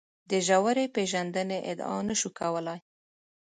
د ژورې پېژندنې ادعا نه شو کولای.